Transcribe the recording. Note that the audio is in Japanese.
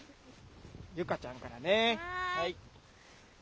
ゆかちゃんからね。